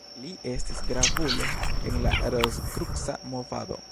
Li estis gravulo en la Rozkruca movado.